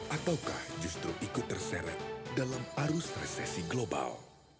ataukah justru ikut terseret dalam arus resesi global